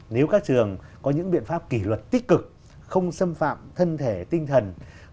nếu các trường có những biện pháp kỷ luật tích cực không xâm phạm thân thể tinh thần